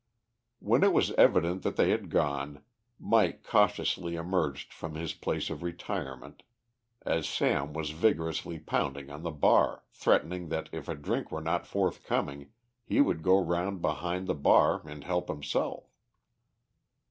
When it was evident that they had gone, Mike cautiously emerged from his place of retirement, as Sam was vigorously pounding on the bar, threatening that if a drink were not forthcoming he would go round behind the bar and help himself.